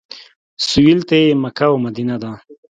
سویل ته یې مکه او مدینه ده.